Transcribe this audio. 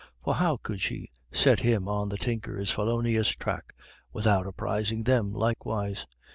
For how could she set him on the Tinker's felonious track without apprising them likewise?